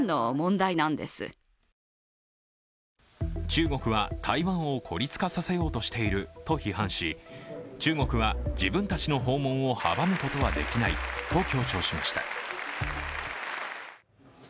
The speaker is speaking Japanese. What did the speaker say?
中国は台湾を孤立化させようとしていると批判し中国は自分たちの訪問を阻むことはできないと強調しました。